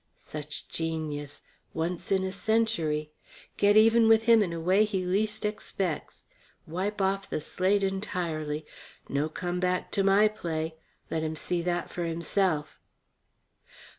"... such genius ... once in a century ... get even with him in a way he least expects ... wipe off the slate entirely ... no comeback to my play ... let him see that for himself.